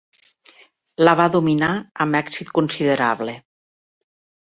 La va dominar amb èxit considerable.